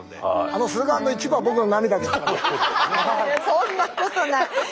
そんなことない。